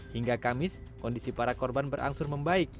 hingga kamis kondisi para korban berangsur membaik